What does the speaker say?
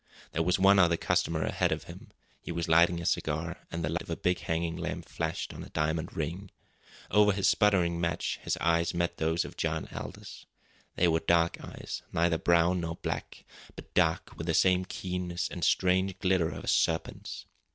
There was one other customer ahead of him. He was lighting a cigar, and the light of a big hanging lamp flashed on a diamond ring. Over his sputtering match his eyes met those of John Aldous. They were dark eyes, neither brown nor black, but dark, with the keenness and strange glitter of a serpent's.